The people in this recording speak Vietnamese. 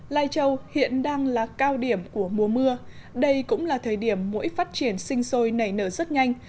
lai châu hiện đang là cao điểm của mùa mưa đây cũng là thời điểm mũi phát triển sinh sôi nảy nở rất nhanh